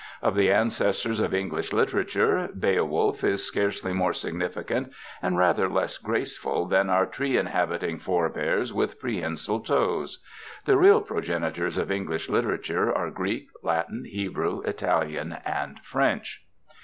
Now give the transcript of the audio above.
Of the ancestors of English literature "Beowulf" is scarcely more significant, and rather less graceful, than our tree inhabiting forebears with prehensile toes; the true progenitors of English literature are Greek, Latin, Hebrew, Italian, and French.